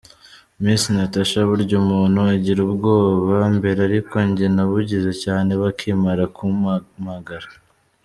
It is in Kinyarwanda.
Miss Natacha : Burya umuntu agira ubwoba mbere ariko njye nabugize cyane bakimara kumpamagara.